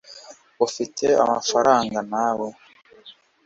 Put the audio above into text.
ufite amafaranga nawe